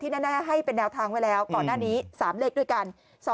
แน่ให้เป็นแนวทางไว้แล้วก่อนหน้านี้๓เลขด้วยกัน